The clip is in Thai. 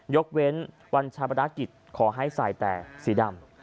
ยกเว้นวันชาปนากิจขอให้ใส่แต่สีดำ